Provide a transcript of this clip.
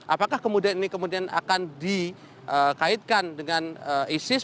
apakah kemudian ini kemudian akan dikaitkan dengan isis